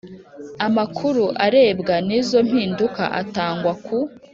Amakuru arebwa n izo mpinduka atangwa ku